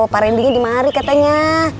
para indinya dimari katanya